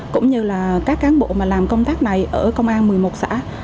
cũng như là các cán bộ mà làm công tác này ở công an một mươi một xã